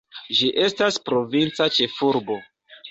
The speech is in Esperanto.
Ĝi estas provinca ĉefurbo.